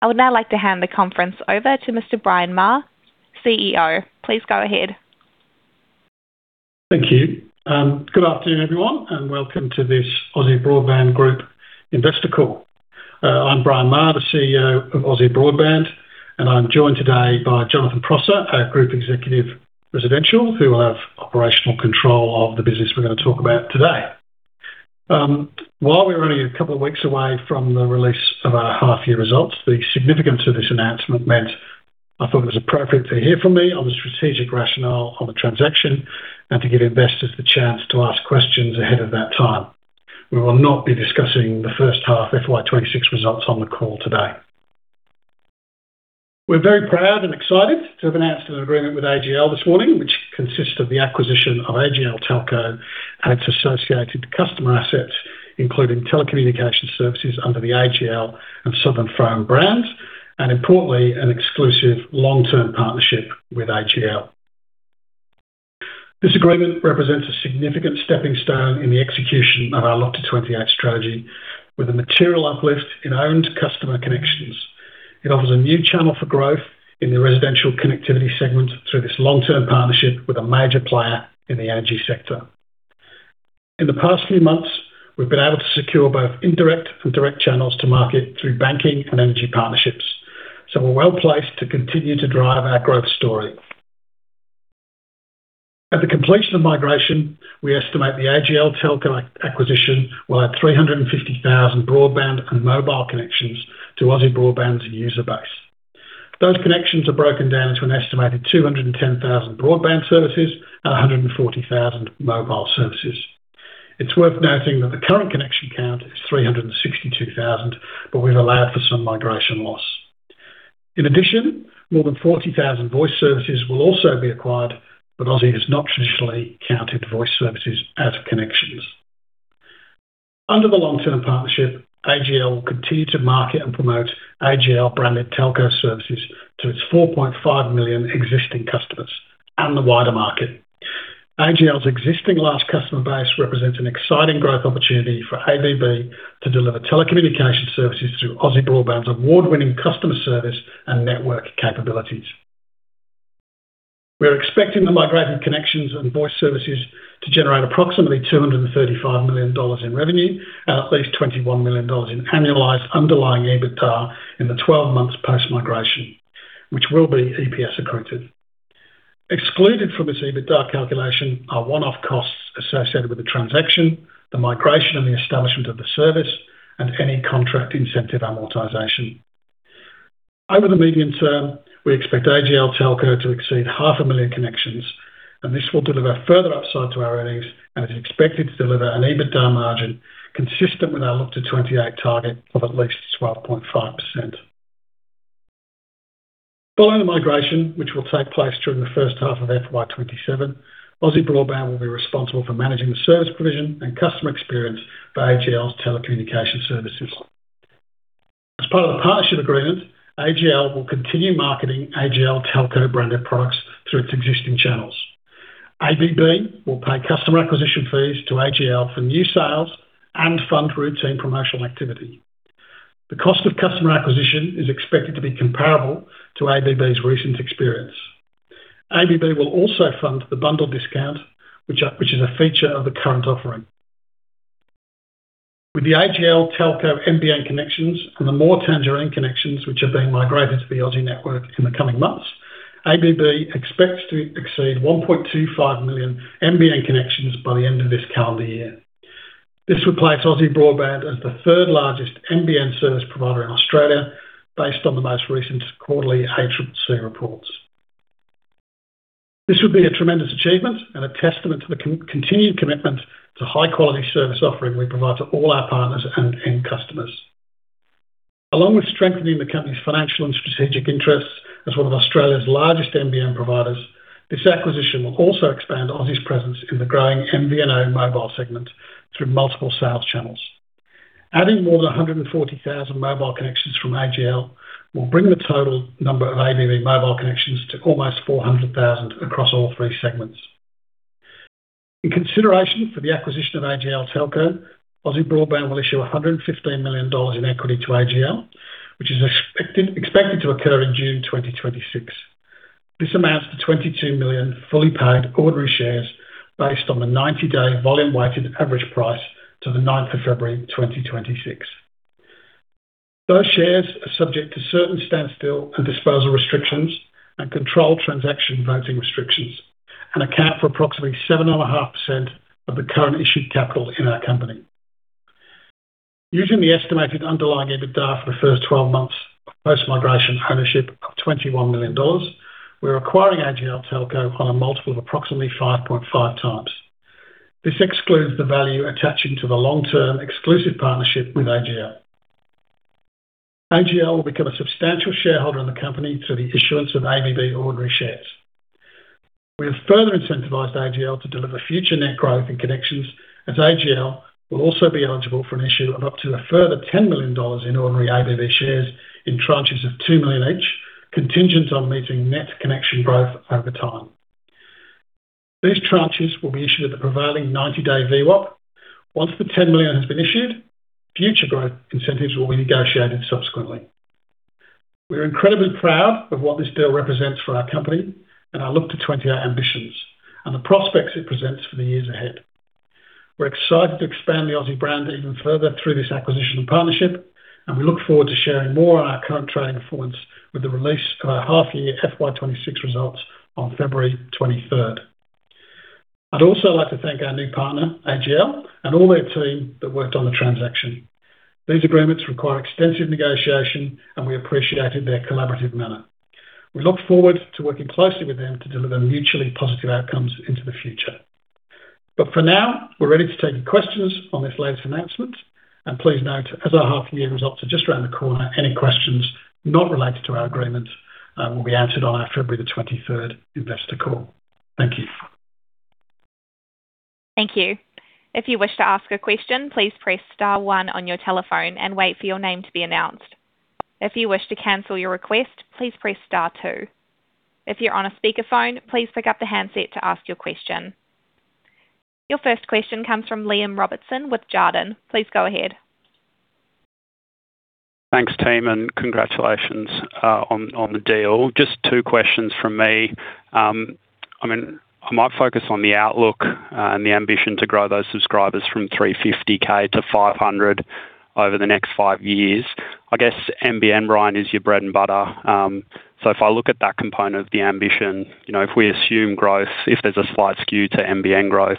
I would now like to hand the conference over to Mr. Brian Maher, CEO. Please go ahead. Thank you. Good afternoon, everyone, and welcome to this Aussie Broadband Group Investor Call. I'm Brian Maher, the CEO of Aussie Broadband, and I'm joined today by Jonathan Prosser, our Group Executive Residential, who will have operational control of the business we're going to talk about today. While we're only a couple of weeks away from the release of our half-year results, the significance of this announcement meant I thought it was appropriate to hear from me on the strategic rationale on the transaction and to give investors the chance to ask questions ahead of that time. We will not be discussing the first half FY 2026 results on the call today. We're very proud and excited to have announced an agreement with AGL this morning, which consists of the acquisition of AGL Telco and its associated customer assets, including telecommunication services under the AGL and Southern Phone brands, and importantly, an exclusive long-term partnership with AGL. This agreement represents a significant stepping stone in the execution of our Lofty28 strategy, with a material uplift in owned customer connections. It offers a new channel for growth in the residential connectivity segment through this long-term partnership with a major player in the energy sector. In the past few months, we've been able to secure both indirect and direct channels to market through banking and energy partnerships, so we're well placed to continue to drive our growth story. At the completion of migration, we estimate the AGL Telco acquisition will add 350,000 broadband and mobile connections to Aussie Broadband's user base. Those connections are broken down into an estimated 210,000 broadband services and 140,000 mobile services. It's worth noting that the current connection count is 362,000, but we've allowed for some migration loss. In addition, more than 40,000 voice services will also be acquired, but Aussie has not traditionally counted voice services as connections. Under the long-term partnership, AGL will continue to market and promote AGL-branded telco services to its 4.5 million existing customers and the wider market. AGL's existing large customer base represents an exciting growth opportunity for ABB to deliver telecommunication services through Aussie Broadband's award-winning customer service and network capabilities. We are expecting the migrated connections and voice services to generate approximately 235 million dollars in revenue and at least 21 million dollars in annualized underlying EBITDA in the 12 months post-migration, which will be EPS accretive. Excluded from this EBITDA calculation are one-off costs associated with the transaction, the migration and the establishment of the service, and any contract incentive amortization. Over the medium term, we expect AGL Telco to exceed 500,000 connections, and this will deliver further upside to our earnings and is expected to deliver an EBITDA margin consistent with our Lofty28 target of at least 12.5%. Following the migration, which will take place during the first half of FY 2027, Aussie Broadband will be responsible for managing the service provision and customer experience for AGL's telecommunication services. As part of the partnership agreement, AGL will continue marketing AGL Telco-branded products through its existing channels. ABB will pay customer acquisition fees to AGL for new sales and fund routine promotional activity. The cost of customer acquisition is expected to be comparable to ABB's recent experience. ABB will also fund the bundle discount, which is a feature of the current offering. With the AGL Telco NBN connections and the More and Tangerine connections which are being migrated to the Aussie network in the coming months, ABB expects to exceed 1.25 million NBN connections by the end of this calendar year. This would place Aussie Broadband as the third-largest NBN service provider in Australia based on the most recent quarterly ACCC reports. This would be a tremendous achievement and a testament to the continued commitment to high-quality service offering we provide to all our partners and end customers. Along with strengthening the company's financial and strategic interests as one of Australia's largest NBN providers, this acquisition will also expand Aussie's presence in the growing MVNO mobile segment through multiple sales channels. Adding more than 140,000 mobile connections from AGL will bring the total number of ABB mobile connections to almost 400,000 across all three segments. In consideration for the acquisition of AGL Telco, Aussie Broadband will issue 115 million dollars in equity to AGL, which is expected to occur in June 2026. This amounts to 22 million fully paid ordinary shares based on the 90-day volume-weighted average price to the 9th of February 2026. Those shares are subject to certain standstill and disposal restrictions and controlled transaction voting restrictions, and account for approximately 7.5% of the current issued capital in our company. Using the estimated underlying EBITDA for the first 12 months of post-migration ownership of 21 million dollars, we are acquiring AGL Telco on a multiple of approximately 5.5x. This excludes the value attaching to the long-term exclusive partnership with AGL. AGL will become a substantial shareholder in the company through the issuance of ABB ordinary shares. We have further incentivized AGL to deliver future net growth in connections, as AGL will also be eligible for an issue of up to a further 10 million dollars in ordinary ABB shares in tranches of 2 million each, contingent on meeting net connection growth over time. These tranches will be issued at the prevailing 90-day VWAP. Once the 10 million has been issued, future growth incentives will be negotiated subsequently. We are incredibly proud of what this deal represents for our company and our Lofty28 ambitions and the prospects it presents for the years ahead. We're excited to expand the Aussie brand even further through this acquisition and partnership, and we look forward to sharing more on our current trading performance with the release of our half-year FY 2026 results on February 23rd. I'd also like to thank our new partner, AGL, and all their team that worked on the transaction. These agreements require extensive negotiation, and we appreciated their collaborative manner. We look forward to working closely with them to deliver mutually positive outcomes into the future. But for now, we're ready to take your questions on this latest announcement, and please note, as our half-year results are just around the corner, any questions not related to our agreement will be answered on our February 23rd investor call. Thank you. Thank you. If you wish to ask a question, please press star one on your telephone and wait for your name to be announced. If you wish to cancel your request, please press star two. If you're on a speakerphone, please pick up the handset to ask your question. Your first question comes from Liam Robertson with Jarden. Please go ahead. Thanks, team, and congratulations on the deal. Just two questions from me. I mean, I might focus on the outlook and the ambition to grow those subscribers from 350,000-500,000 over the next five years. I guess NBN, Brian, is your bread and butter. So if I look at that component of the ambition, if we assume growth, if there's a slight skew to NBN growth,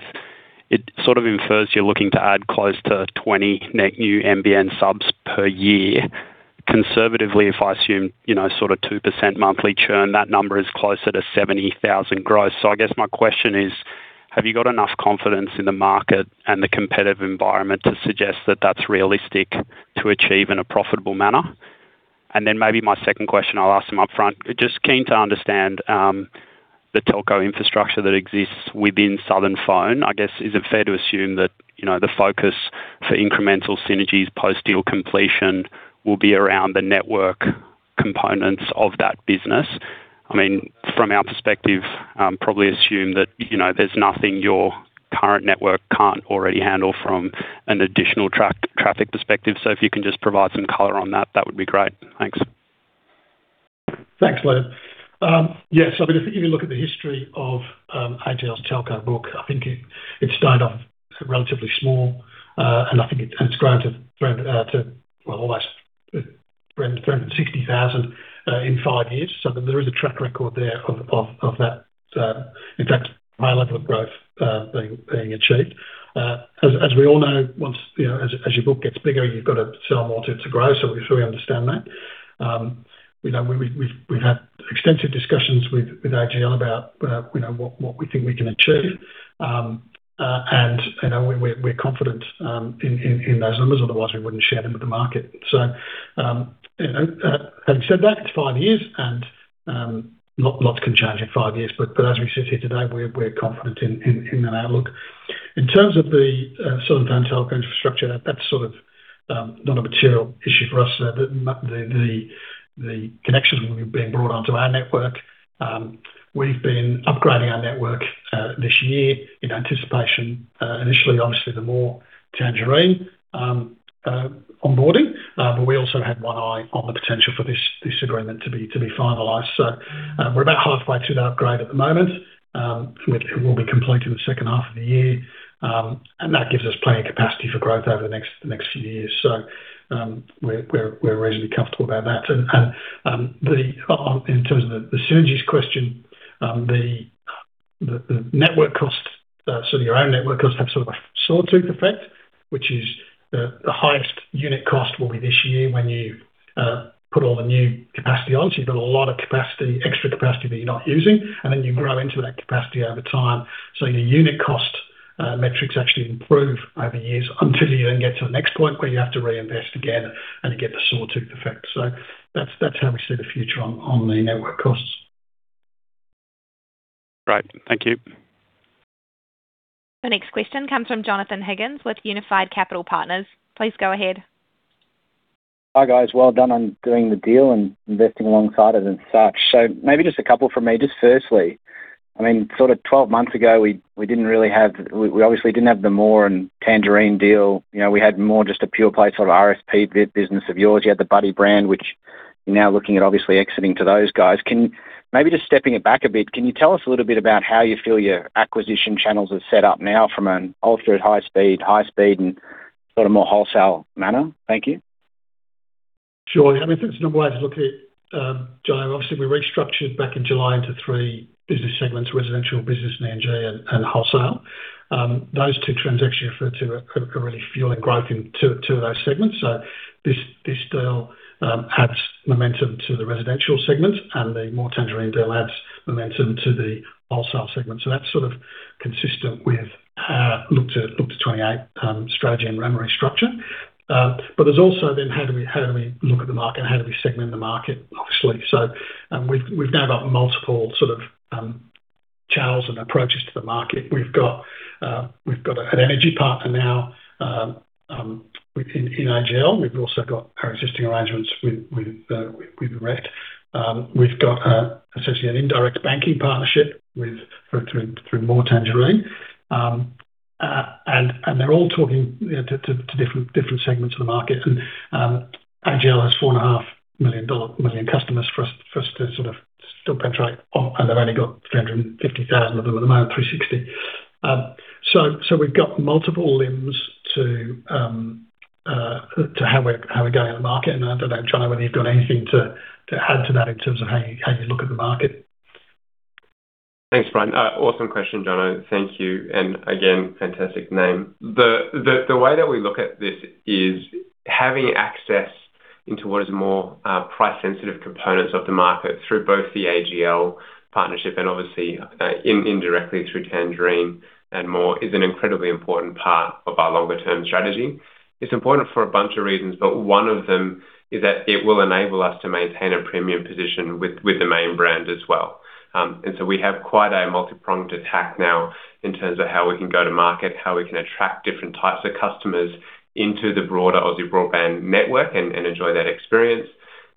it sort of infers you're looking to add close to 20 net new NBN subs per year. Conservatively, if I assume sort of 2% monthly churn, that number is closer to 70,000 growth. So I guess my question is, have you got enough confidence in the market and the competitive environment to suggest that that's realistic to achieve in a profitable manner? Maybe my second question, I'll ask them upfront, just keen to understand the telco infrastructure that exists within Southern Phone, I guess, is it fair to assume that the focus for incremental synergies post-deal completion will be around the network components of that business? I mean, from our perspective, probably assume that there's nothing your current network can't already handle from an additional traffic perspective. So if you can just provide some color on that, that would be great. Thanks. Thanks, Liam. Yes. I mean, if you give a look at the history of AGL's telco book, I think it's stayed relatively small, and I think it's grown to, well, almost 360,000 in five years. So there is a track record there of that, in fact, high level of growth being achieved. As we all know, as your book gets bigger, you've got to sell more to it to grow, so we understand that. We've had extensive discussions with AGL about what we think we can achieve, and we're confident in those numbers. Otherwise, we wouldn't share them with the market. So having said that, it's five years, and lots can change in five years. But as we sit here today, we're confident in that outlook. In terms of the Southern Phone telco infrastructure, that's sort of not a material issue for us. The connections will be being brought onto our network. We've been upgrading our network this year in anticipation. Initially, obviously, the more Tangerine onboarding, but we also had one eye on the potential for this agreement to be finalized. We're about halfway through that upgrade at the moment. It will be complete in the second half of the year, and that gives us plenty of capacity for growth over the next few years. We're reasonably comfortable about that. In terms of the synergies question, the network costs, sort of your own network costs, have sort of a sawtooth effect, which is the highest unit cost will be this year when you put all the new capacity on. You've got a lot of capacity, extra capacity that you're not using, and then you grow into that capacity over time. Your unit cost metrics actually improve over years until you then get to the next point where you have to reinvest again and you get the sawtooth effect. That's how we see the future on the network costs. Right. Thank you. The next question comes from Jonathon Higgins with Unified Capital Partners. Please go ahead. Hi guys. Well done on doing the deal and investing alongside it and such. So maybe just a couple from me. Just firstly, I mean, sort of 12 months ago, we didn't really have—we obviously didn't have the More and Tangerine deal. We had more just a pure-play sort of RSP business of yours. You had the Buddy brand, which you're now looking at obviously exiting to those guys. Maybe just stepping it back a bit, can you tell us a little bit about how you feel your acquisition channels are set up now from a retail, high-speed, and sort of more wholesale manner? Thank you. Sure. I mean, I think it's a number of ways to look at it, Jay. Obviously, we restructured back in July into three business segments: residential, business, and ENG, and wholesale. Those two transactions you referred to are really fueling growth in two of those segments. So this deal adds momentum to the residential segment, and the More Tangerine deal adds momentum to the wholesale segment. So that's sort of consistent with our Lofty28 strategy and remedy structure. But there's also then, how do we look at the market and how do we segment the market, obviously? So we've now got multiple sort of channels and approaches to the market. We've got an energy partner now in AGL. We've also got our existing arrangements with REA. We've got essentially an indirect banking partnership through More Tangerine, and they're all talking to different segments of the market. AGL has 4.5 million dollar customers for us to sort of still penetrate, and they've only got 350,000 of them at the moment, [360]. We've got multiple limbs to how we're going in the market. I don't know, Jonathan, whether you've got anything to add to that in terms of how you look at the market. Thanks, Brian. Awesome question, Jonathon. Thank you. And again, fantastic name. The way that we look at this is having access into what is more price-sensitive components of the market through both the AGL partnership and obviously indirectly through Tangerine and More is an incredibly important part of our longer-term strategy. It's important for a bunch of reasons, but one of them is that it will enable us to maintain a premium position with the main brand as well. And so we have quite a multipronged attack now in terms of how we can go to market, how we can attract different types of customers into the broader Aussie Broadband network and enjoy that experience.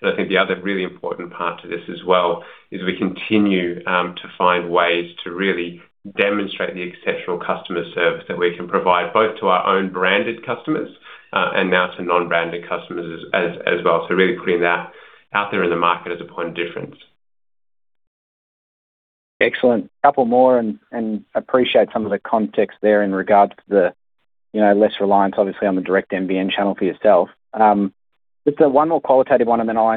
I think the other really important part to this as well is we continue to find ways to really demonstrate the exceptional customer service that we can provide both to our own branded customers and now to non-branded customers as well. So really putting that out there in the market as a point of difference. Excellent. Couple more, and appreciate some of the context there in regards to the less reliance, obviously, on the direct NBN channel for yourself. Just one more qualitative one, and then I'll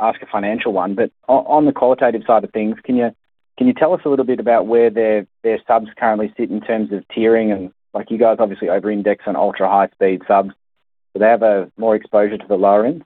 ask a financial one. But on the qualitative side of things, can you tell us a little bit about where their subs currently sit in terms of tiering? And you guys obviously over-index on ultra-high-speed subs. Do they have more exposure to the lower end?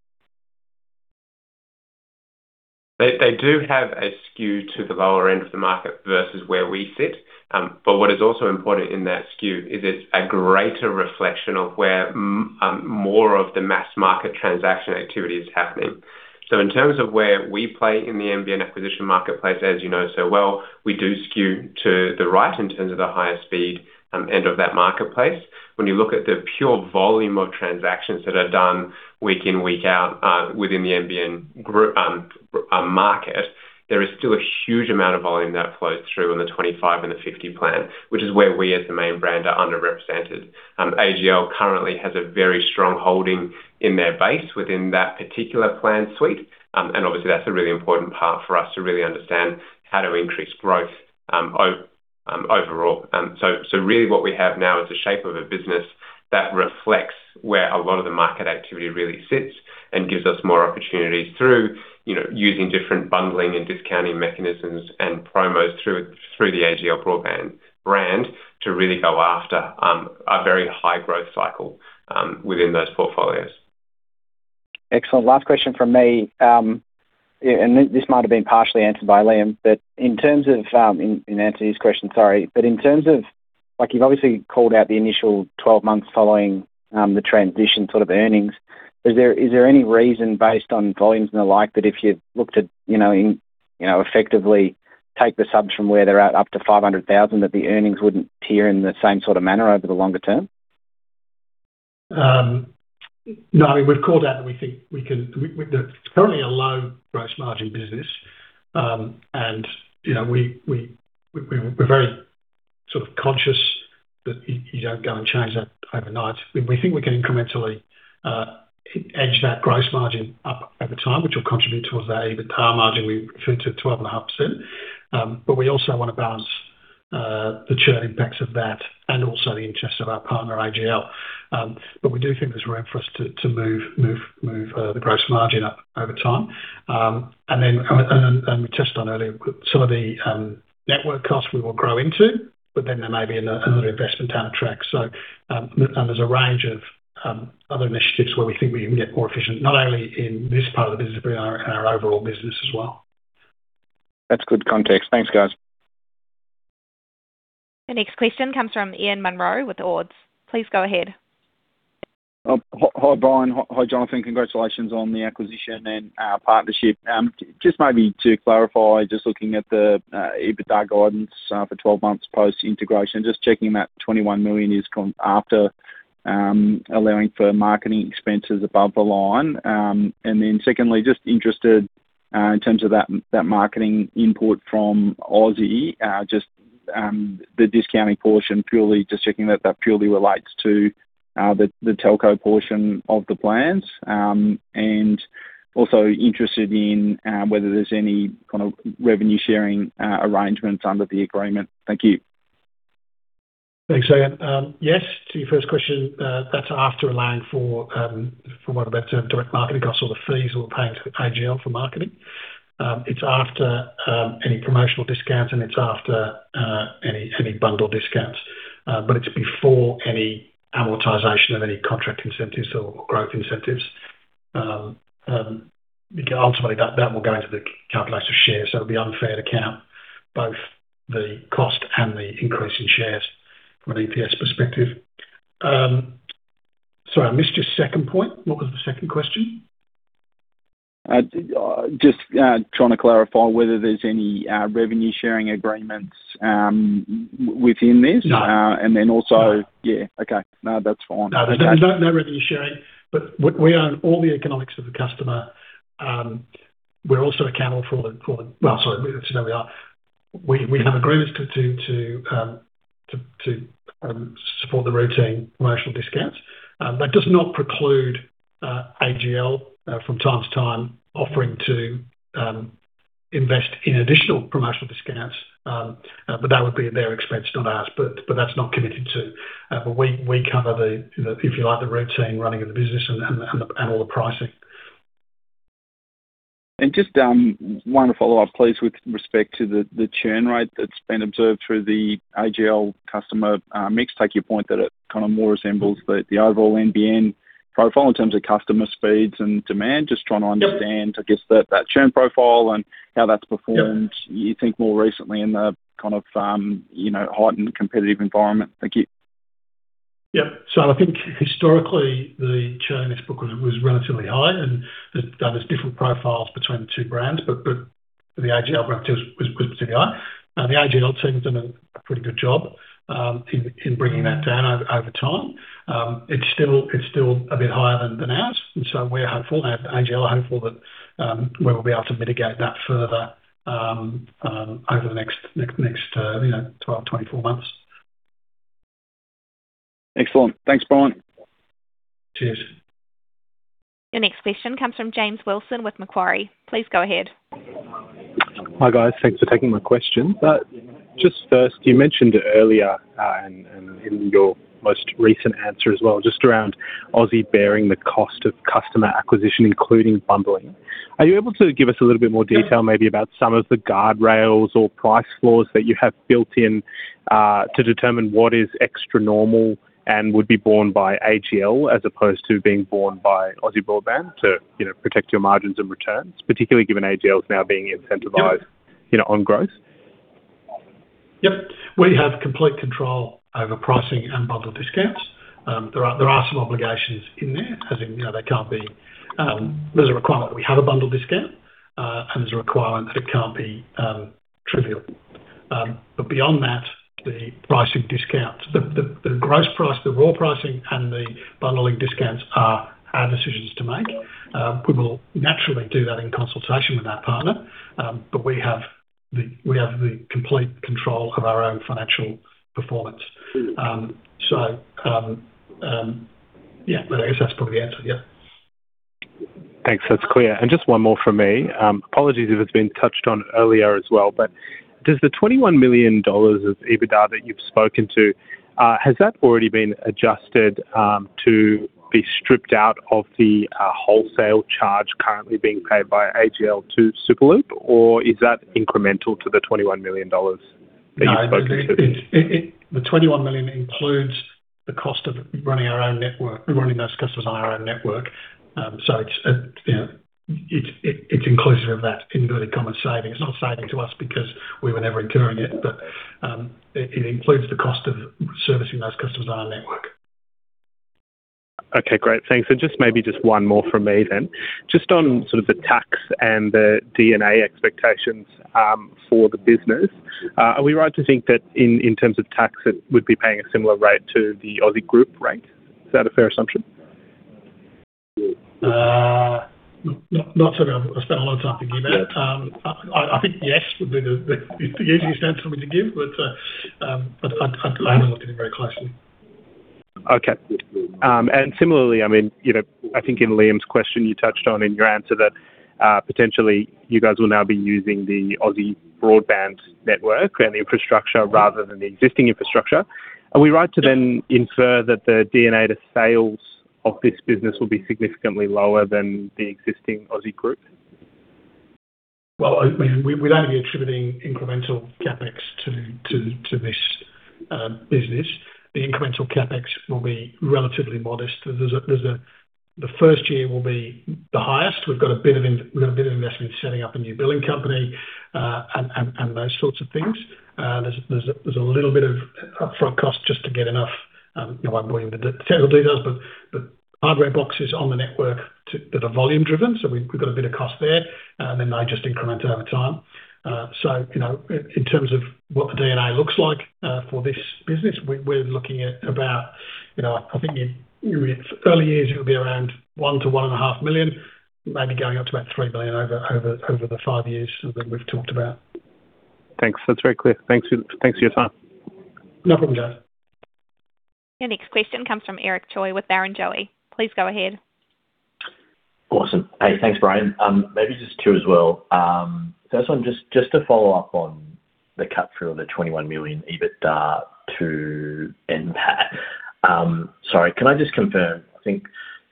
They do have a skew to the lower end of the market versus where we sit. But what is also important in that skew is it's a greater reflection of where more of the mass market transaction activity is happening. So in terms of where we play in the NBN acquisition marketplace, as you know so well, we do skew to the right in terms of the higher-speed end of that marketplace. When you look at the pure volume of transactions that are done week in, week out within the NBN market, there is still a huge amount of volume that flows through on the 25 and the 50 plan, which is where we as the main brand are underrepresented. AGL currently has a very strong holding in their base within that particular plan suite, and obviously, that's a really important part for us to really understand how to increase growth overall. So really, what we have now is a shape of a business that reflects where a lot of the market activity really sits and gives us more opportunities through using different bundling and discounting mechanisms and promos through the AGL Broadband brand to really go after a very high growth cycle within those portfolios. Excellent. Last question from me, and this might have been partially answered by Liam, but in terms of in answering his question, sorry, but in terms of you've obviously called out the initial 12 months following the transition sort of earnings. Is there any reason based on volumes and the like that if you looked to effectively take the subs from where they're at up to 500,000, that the earnings wouldn't tier in the same sort of manner over the longer term? No. I mean, we've called out that we think we can, it's currently a low gross margin business, and we're very sort of conscious that you don't go and change that overnight. We think we can incrementally edge that gross margin up over time, which will contribute towards that EBITDA margin we referred to, 12.5%. But we also want to balance the churn impacts of that and also the interests of our partner, AGL. But we do think there's room for us to move the gross margin up over time. And then we touched on earlier, some of the network costs we will grow into, but then there may be another investment down the track. And there's a range of other initiatives where we think we can get more efficient, not only in this part of the business but in our overall business as well. That's good context. Thanks, guys. The next question comes from Ian Munro with Ords. Please go ahead. Hi Brian. Hi Jonathan. Congratulations on the acquisition and our partnership. Just maybe to clarify, just looking at the EBITDA guidance for 12 months post-integration, just checking that 21 million is after allowing for marketing expenses above the line. And then secondly, just interested in terms of that marketing input from Aussie, just the discounting portion, purely just checking that that purely relates to the telco portion of the plans. And also interested in whether there's any kind of revenue-sharing arrangements under the agreement. Thank you. Thanks, Ian. Yes, to your first question, that's after allowing for what I've left as direct marketing costs or the fees we'll be paying to AGL for marketing. It's after any promotional discounts, and it's after any bundle discounts. But it's before any amortization of any contract incentives or growth incentives. Ultimately, that will go into the calculation of shares, so it'll be unfair to count both the cost and the increase in shares from an EPS perspective. Sorry, I missed your second point. What was the second question? Just trying to clarify whether there's any revenue-sharing agreements within this. Then also, yeah. Okay. No, that's fine. No, there's no revenue-sharing. But we own all the economics of the customer. We're also accountable, well, sorry, so there we are. We have agreements to support the routine promotional discounts. That does not preclude AGL from time to time offering to invest in additional promotional discounts, but that would be at their expense, not ours. But that's not committed to. But we cover, if you like, the routine running of the business and all the pricing. Just one follow-up, please, with respect to the churn rate that's been observed through the AGL customer mix. Take your point that it kind of more resembles the overall NBN profile in terms of customer speeds and demand. Just trying to understand, I guess, that churn profile and how that's performed, you think, more recently in the kind of heightened competitive environment. Thank you. Yep. So I think historically, the churn in this book was relatively high, and there's different profiles between the two brands, but the AGL brand was particularly high. The AGL team's done a pretty good job in bringing that down over time. It's still a bit higher than ours, and so we're hopeful, and AGL are hopeful, that we will be able to mitigate that further over the next 12, 24 months. Excellent. Thanks, Brian. Cheers. The next question comes from James Wilson with Macquarie. Please go ahead. Hi guys. Thanks for taking my question. But just first, you mentioned it earlier and in your most recent answer as well, just around Aussie bearing the cost of customer acquisition, including bundling. Are you able to give us a little bit more detail maybe about some of the guardrails or price floors that you have built in to determine what is extra-normal and would be borne by AGL as opposed to being borne by Aussie Broadband to protect your margins and returns, particularly given AGL's now being incentivized on growth? Yep. We have complete control over pricing and bundle discounts. There are some obligations in there, as in they can't be. There's a requirement that we have a bundle discount, and there's a requirement that it can't be trivial. But beyond that, the pricing discounts, the gross price, the raw pricing, and the bundling discounts are our decisions to make. We will naturally do that in consultation with that partner, but we have the complete control of our own financial performance. So yeah, I guess that's probably the answer. Yep. Thanks. That's clear. And just one more from me. Apologies if it's been touched on earlier as well, but does the 21 million dollars of EBITDA that you've spoken to, has that already been adjusted to be stripped out of the wholesale charge currently being paid by AGL to Superloop, or is that incremental to the 21 million dollars that you've spoken to? The 21 million includes the cost of running our own network, running those customers on our own network. So it's inclusive of that inverted comma saving. It's not a saving to us because we were never incurring it, but it includes the cost of servicing those customers on our network. Okay. Great. Thanks. And just maybe just one more from me then. Just on sort of the tax and the D&A expectations for the business, are we right to think that in terms of tax, it would be paying a similar rate to the Aussie group rate? Is that a fair assumption? Not certain. I've spent a lot of time thinking about it. I think yes would be the easiest answer for me to give, but I haven't looked at it very closely. Okay. And similarly, I mean, I think in Liam's question, you touched on in your answer that potentially you guys will now be using the Aussie Broadband network and infrastructure rather than the existing infrastructure. Are we right to then infer that the D&A to sales of this business will be significantly lower than the existing Aussie group? Well, I mean, we'd only be attributing incremental CapEx to this business. The incremental CapEx will be relatively modest. The first year will be the highest. We've got a bit of investment in setting up a new billing company and those sorts of things. There's a little bit of upfront cost just to get enough. I won't bore you with the technical details, but hardware boxes on the network that are volume-driven, so we've got a bit of cost there, and then they just increment over time. So in terms of what the D&A looks like for this business, we're looking at about, I think, in early years, it would be around 1 million-1.5 million, maybe going up to about 3 million over the five years that we've talked about. Thanks. That's very clear. Thanks for your time. No problem, James. The next question comes from Eric Choi with Barrenjoey. Please go ahead. Awesome. Hey, thanks, Brian. Maybe just two as well. First one, just to follow up on the walkthrough of the 21 million EBITDA to NPAT. Sorry, can I just confirm? I think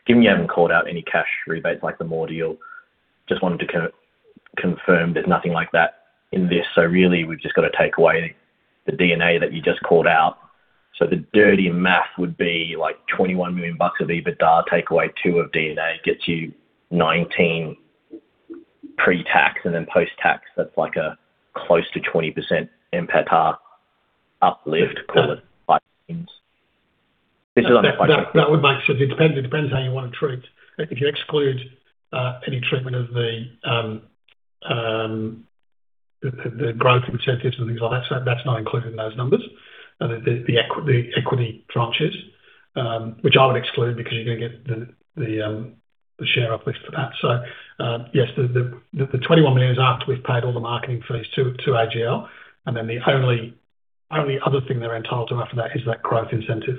given you haven't called out any cash rebates like the More deal, just wanted to confirm there's nothing like that in this. So really, we've just got to take away the D&A that you just called out. So the dirty math would be like 21 million bucks of EBITDA, take away 2 million of D&A, gets you 19 million pre-tax and then post-tax. That's like a close to 20% NPAT uplift, call it, by means. This is one question. That would make so it depends how you want to treat it. If you exclude any treatment of the growth incentives and things like that, that's not included in those numbers, the equity tranches, which I would exclude because you're going to get the share uplift for that. So yes, the 21 million is after we've paid all the marketing fees to AGL, and then the only other thing they're entitled to after that is that growth incentive.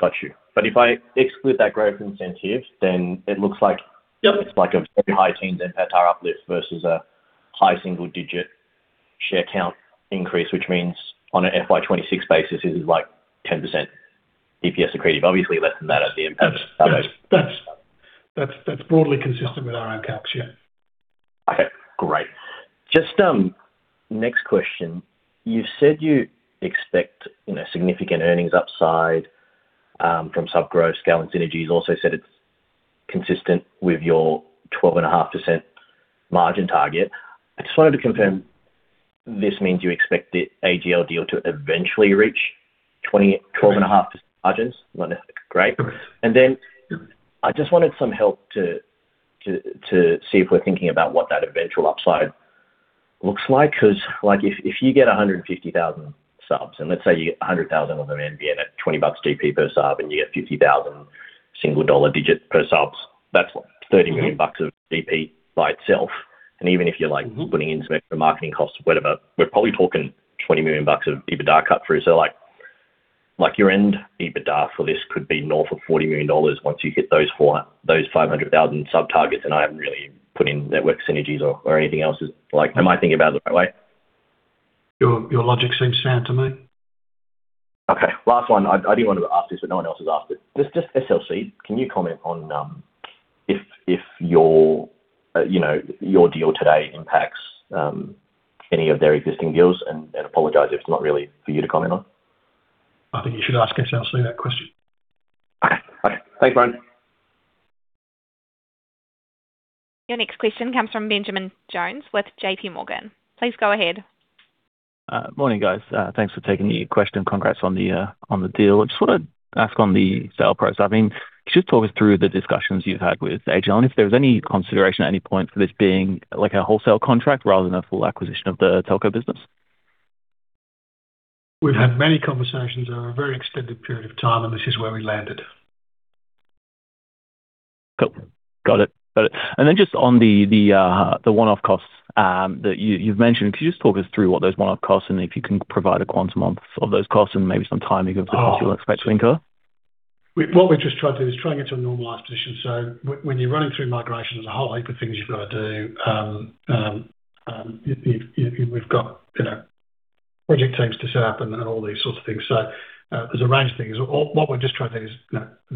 Got you. But if I exclude that growth incentive, then it looks like it's like a very high teens NPAT uplift versus a high single-digit share count increase, which means on an FY 2026 basis, this is like 10% EPS accretive. Obviously, less than that at the NPAT story. That's broadly consistent with our own caps. Yeah. Okay. Great. Just next question. You've said you expect significant earnings upside from sub-growth. Gallant Synergy has also said it's consistent with your 12.5% margin target. I just wanted to confirm this means you expect the AGL deal to eventually reach 12.5% margins. Great. And then I just wanted some help to see if we're thinking about what that eventual upside looks like because if you get 150,000 subs, and let's say you get 100,000 of them NBN at 20 bucks GP per sub, and you get 50,000 single-dollar digit per subs, that's 30 million bucks of GP by itself. And even if you're putting in some extra marketing costs, whatever, we're probably talking 20 million bucks of EBITDA add-through. So your end EBITDA for this could be north of 40 million dollars once you hit those 500,000 sub targets, and I haven't really put in network synergies or anything else. Am I thinking about it the right way? Your logic seems sound to me. Okay. Last one. I didn't want to ask this, but no one else has asked it. Just SLC, can you comment on if your deal today impacts any of their existing deals? And apologize if it's not really for you to comment on. I think you should ask SLC that question. Okay. Okay. Thanks, Brian. Your next question comes from Benjamin Jones with JP Morgan. Please go ahead. Morning, guys. Thanks for taking the question. Congrats on the deal. I just want to ask on the sale process. I mean, could you just talk us through the discussions you've had with AGL and if there was any consideration at any point for this being a wholesale contract rather than a full acquisition of the telco business? We've had many conversations over a very extended period of time, and this is where we landed. Cool. Got it. Got it. And then just on the one-off costs that you've mentioned, could you just talk us through what those one-off costs and if you can provide a quantum of those costs and maybe some timing of the cost you'll expect to incur? What we're just trying to do is try and get to a normalized position. So when you're running through migration as a whole, you've got things you've got to do. We've got project teams to set up and all these sorts of things. So there's a range of things. What we're just trying to do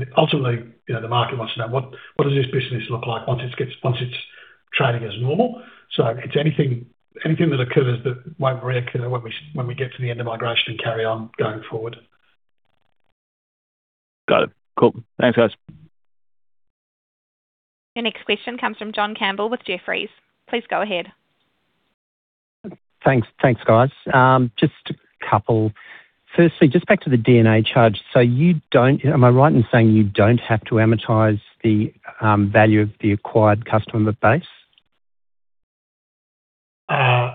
is ultimately, the market wants to know, what does this business look like once it's trading as normal? So it's anything that occurs that won't reoccur when we get to the end of migration and carry on going forward. Got it. Cool. Thanks, guys. Your next question comes from John Campbell with Jefferies. Please go ahead. Thanks, guys. Just a couple. Firstly, just back to the D&A charge. So am I right in saying you don't have to amortize the value of the acquired customer base?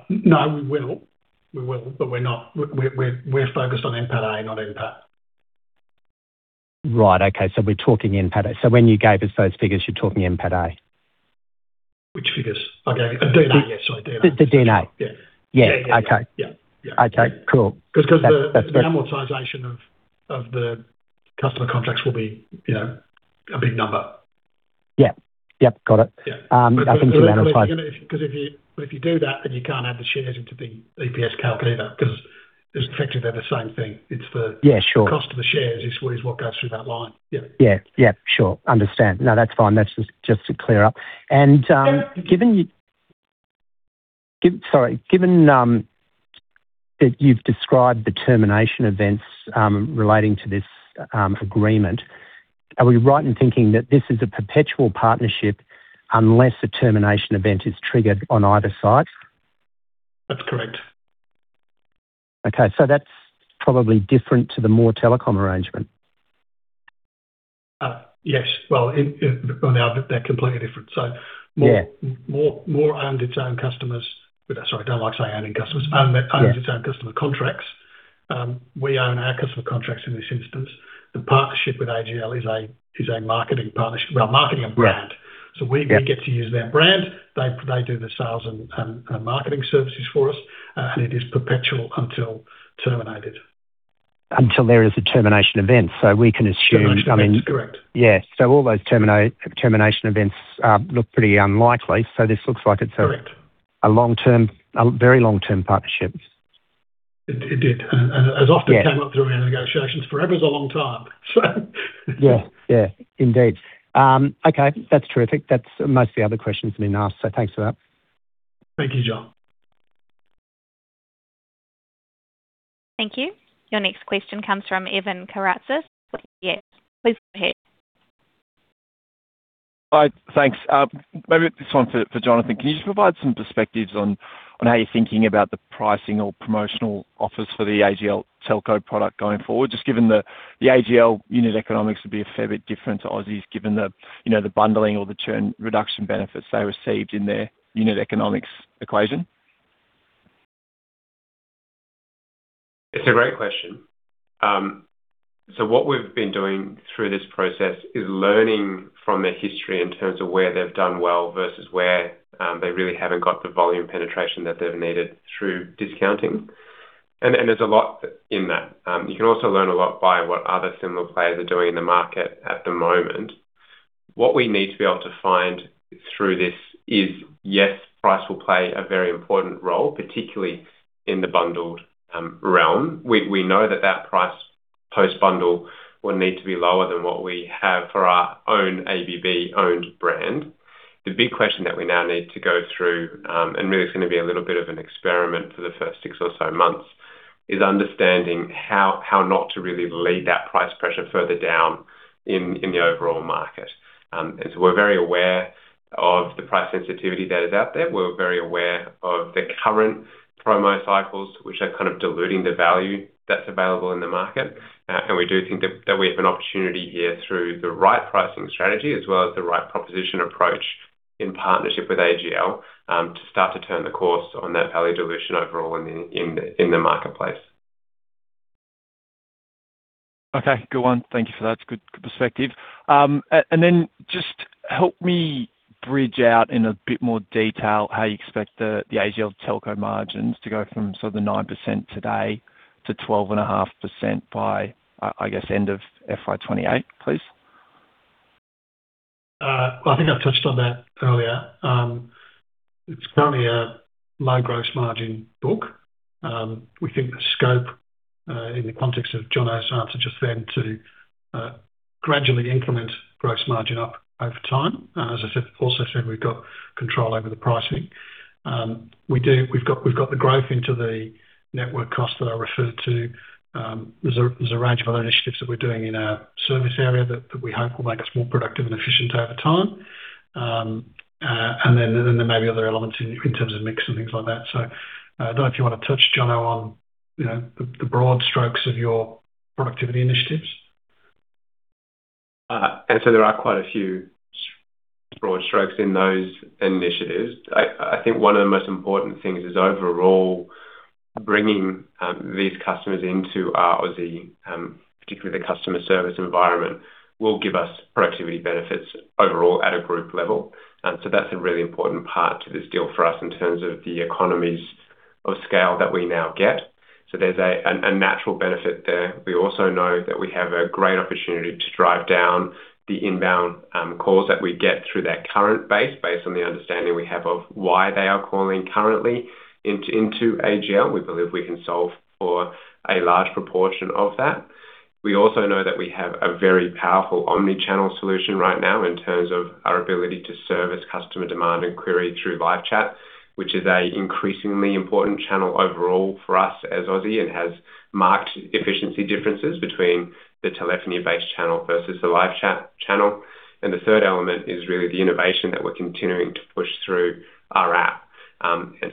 No, we will. We will, but we're focused on NPAT, not NPAT. Right. Okay. So we're talking NPAT. So when you gave us those figures, you're talking NPAT. Which figures? I gave you D&A. Yes, sorry. D&A. The D&A. Yeah. Okay. Okay. Cool. Because the amortization of the customer contracts will be a big number. Yeah. Yep. Got it. I think you've amortized. But if you do that, then you can't add the shares into the EPS calc either because effectively, they're the same thing. The cost of the shares is what goes through that line. Yeah. Yeah. Yeah. Sure. Understand. No, that's fine. That's just to clear up. And sorry, given that you've described the termination events relating to this agreement, are we right in thinking that this is a perpetual partnership unless a termination event is triggered on either side? That's correct. Okay. So that's probably different to the More Telecom arrangement? Yes. Well, now they're completely different. So More owns its own customers, sorry, I don't like saying owning customers. Owns its own customer contracts. We own our customer contracts in this instance. The partnership with AGL is a marketing partnership, well, marketing and brand. So we get to use their brand. They do the sales and marketing services for us, and it is perpetual until terminated. Until there is a termination event. So we can assume, I mean. Termination. That's correct. Yeah. So all those termination events look pretty unlikely, so this looks like it's a very long-term partnership. It did. And as often came up through our negotiations, forever's a long time, so. Yeah. Yeah. Indeed. Okay. That's terrific. That's most of the other questions I've been asked, so thanks for that. Thank you, John. Thank you. Your next question comes from Evan Karatzas. Yes. Please go ahead. Thanks. Maybe this one for Jonathan. Can you just provide some perspectives on how you're thinking about the pricing or promotional offers for the AGL telco product going forward, just given the AGL unit economics would be a fair bit different to Aussie's, given the bundling or the churn reduction benefits they received in their unit economics equation? It's a great question. So what we've been doing through this process is learning from their history in terms of where they've done well versus where they really haven't got the volume penetration that they've needed through discounting. And there's a lot in that. You can also learn a lot by what other similar players are doing in the market at the moment. What we need to be able to find through this is, yes, price will play a very important role, particularly in the bundled realm. We know that that price post-bundle will need to be lower than what we have for our own ABB-owned brand. The big question that we now need to go through - and really, it's going to be a little bit of an experiment for the first six or so months - is understanding how not to really lead that price pressure further down in the overall market. So we're very aware of the price sensitivity that is out there. We're very aware of the current promo cycles, which are kind of diluting the value that's available in the market. We do think that we have an opportunity here through the right pricing strategy as well as the right proposition approach in partnership with AGL to start to turn the course on that value dilution overall in the marketplace. Okay. Good one. Thank you for that. It's good perspective. And then just help me bridge out in a bit more detail how you expect the AGL telco margins to go from sort of the 9% today to 12.5% by, I guess, end of FY 2028, please. Well, I think I've touched on that earlier. It's currently a low gross margin book. We think the scope, in the context of Michael Omeros's answer just then, to gradually increment gross margin up over time. As I also said, we've got control over the pricing. We've got the growth into the network costs that I referred to. There's a range of other initiatives that we're doing in our service area that we hope will make us more productive and efficient over time. And then there may be other elements in terms of mix and things like that. So I don't know if you want to touch, Michael Omeros, on the broad strokes of your productivity initiatives. There are quite a few broad strokes in those initiatives. I think one of the most important things is overall bringing these customers into our Aussie, particularly the customer service environment, will give us productivity benefits overall at a group level. That's a really important part to this deal for us in terms of the economies of scale that we now get. There's a natural benefit there. We also know that we have a great opportunity to drive down the inbound calls that we get through that current base based on the understanding we have of why they are calling currently into AGL. We believe we can solve for a large proportion of that. We also know that we have a very powerful omnichannel solution right now in terms of our ability to service customer demand and query through live chat, which is an increasingly important channel overall for us as Aussie and has marked efficiency differences between the telephony-based channel versus the live chat channel. The third element is really the innovation that we're continuing to push through our app.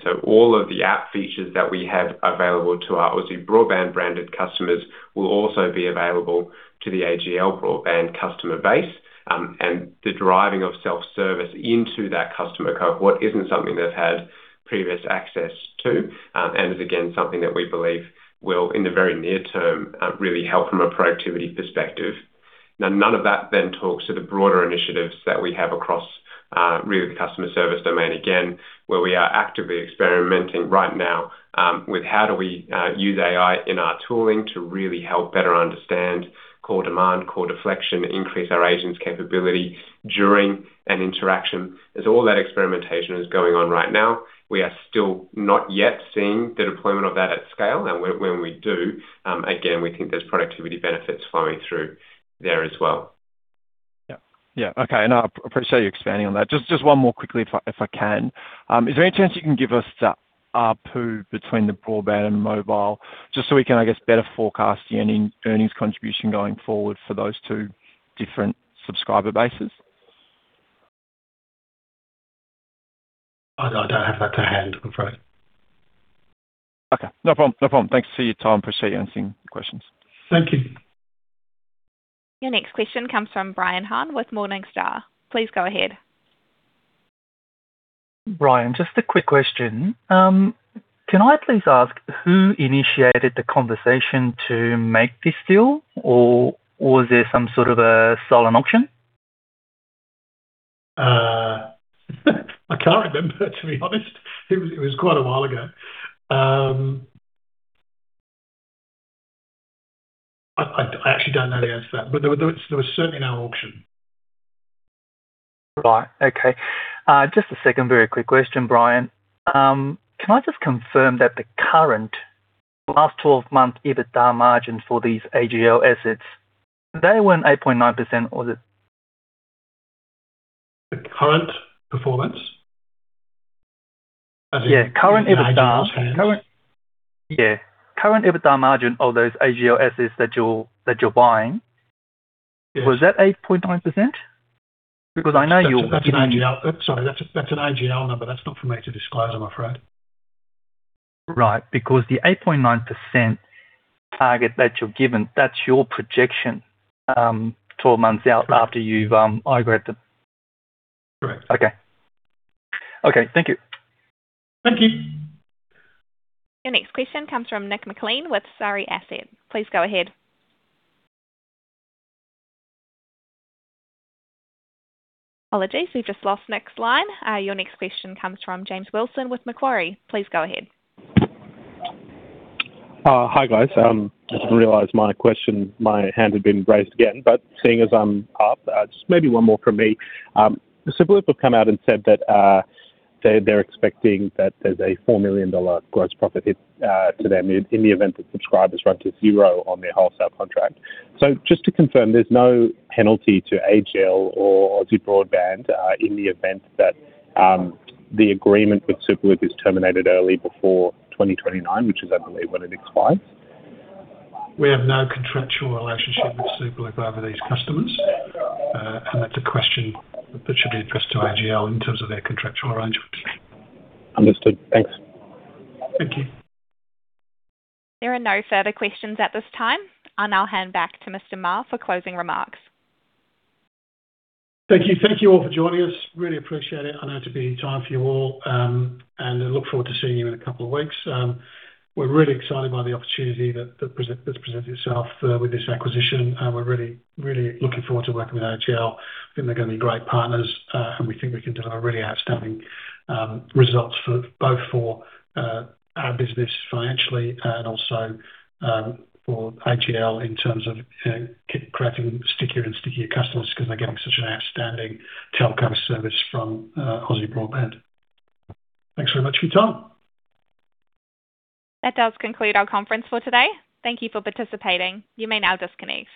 So all of the app features that we have available to our Aussie Broadband branded customers will also be available to the AGL Broadband customer base. The driving of self-service into that customer cohort isn't something they've had previous access to and is, again, something that we believe will, in the very near term, really help from a productivity perspective. Now, none of that then talks to the broader initiatives that we have across really the customer service domain, again, where we are actively experimenting right now with how do we use AI in our tooling to really help better understand call demand, call deflection, increase our agent's capability during an interaction. As all that experimentation is going on right now, we are still not yet seeing the deployment of that at scale. And when we do, again, we think there's productivity benefits flowing through there as well. Yeah. Yeah. Okay. And I appreciate you expanding on that. Just one more quickly, if I can. Is there any chance you can give us that split between the broadband and mobile just so we can, I guess, better forecast the earnings contribution going forward for those two different subscriber bases? I don't have that to hand, I'm afraid. Okay. No problem. No problem. Thanks for your time. Appreciate answering the questions. Thank you. Your next question comes from Brian Han with Morningstar. Please go ahead. Brian, just a quick question. Can I please ask who initiated the conversation to make this deal, or was there some sort of a solemn auction? I can't remember, to be honest. It was quite a while ago. I actually don't know the answer to that, but there was certainly no auction. Right. Okay. Just a second, very quick question, Brian. Can I just confirm that the current last 12-month EBITDA margin for these AGL assets, they were an 8.9%, was it? The current performance? Yeah. Current EBITDA margin of those AGL assets that you're buying, was that 8.9%? Because I know you're. That's an AGL number. Sorry. That's an AGL number. That's not for me to disclose, I'm afraid. Right. Because the 8.9% target that you're given, that's your projection 12 months out after you've migrated them. Correct. Okay. Okay. Thank you. Thank you. Your next question comes from Nick MacLean with Surrey Asset. Please go ahead. Apologies, we've just lost Nick's line. Your next question comes from James Wilson with Macquarie. Please go ahead. Hi, guys. I didn't realize my hand had been raised again. But seeing as I'm up, just maybe one more from me. So Superloop have come out and said that they're expecting that there's a 4 million dollar gross profit hit to them in the event that subscribers run to zero on their wholesale contract. So just to confirm, there's no penalty to AGL or Aussie Broadband in the event that the agreement with Superloop is terminated early before 2029, which is, I believe, when it expires? We have no contractual relationship with Superloop over these customers. That's a question that should be addressed to AGL in terms of their contractual arrangement. Understood. Thanks. Thank you. There are no further questions at this time, and I'll hand back to Mr. Maher for closing remarks. Thank you. Thank you all for joining us. Really appreciate it. I know it's a busy time for you all, and I look forward to seeing you in a couple of weeks. We're really excited by the opportunity that's presented itself with this acquisition. We're really looking forward to working with AGL. I think they're going to be great partners, and we think we can deliver really outstanding results both for our business financially and also for AGL in terms of creating stickier and stickier customers because they're getting such an outstanding telco service from Aussie Broadband. Thanks very much for your time. That does conclude our conference for today. Thank you for participating. You may now disconnect.